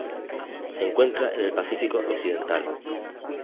Se encuentran en el Pacífico occidental.